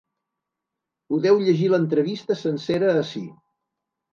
Podeu llegir l’entrevista sencera ací.